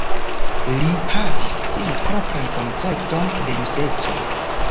Li havis sian propran koncepton de justeco.